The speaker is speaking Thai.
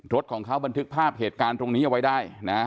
รถของเขาบันทึกภาพเหตุการณ์ตรงนี้เอาไว้ได้นะ